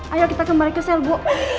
ayo kita kembali ke sel bu